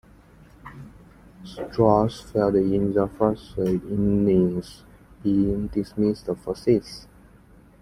Strauss failed in the first innings, being dismissed for six.